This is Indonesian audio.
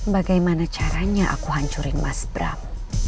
bagaimana caranya aku hancurin mas bram